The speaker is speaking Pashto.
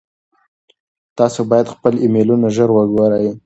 تاسو باید خپل ایمیلونه ژر وګورئ.